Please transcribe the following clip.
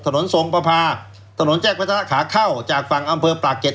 ทรงประพาถนนแจ้งวัฒนะขาเข้าจากฝั่งอำเภอปากเกร็